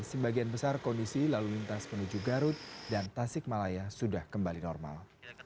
sebagian besar kondisi lalu lintas menuju garut dan tasik malaya sudah kembali normal